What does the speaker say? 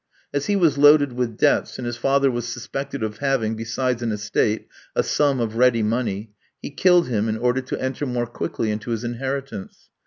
As he was loaded with debts, and his father was suspected of having, besides an estate, a sum of ready money, he killed him in order to enter more quickly into his inheritance.